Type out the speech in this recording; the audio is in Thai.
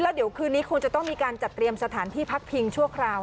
เดี๋ยวคืนนี้คงจะต้องมีการจัดเตรียมสถานที่พักพิงชั่วคราว